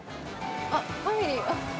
あっファミリー。